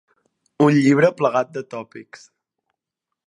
Un llibre plagat de tòpics.